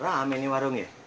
rame nih warungnya